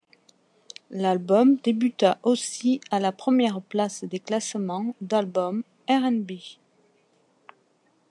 L'album débuta aussi à la première place des classements d'album RnB.